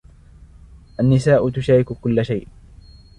النساء تشارك كل شئ.